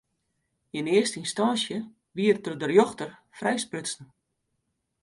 Yn earste ynstânsje wie er troch de rjochter frijsprutsen.